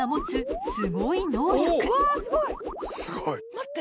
待って。